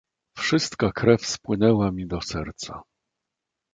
"Wszystka krew spłynęła mi do serca..."